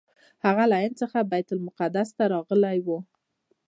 هغه له هند څخه بیت المقدس ته راغلی و.